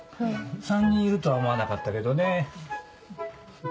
３人いるとは思わなかったけどね。